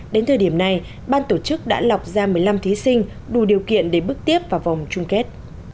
đến thời điểm này ban tổ chức đã lọc ra một mươi năm thí sinh đủ điều kiện để bước tiếp vào vòng chung kết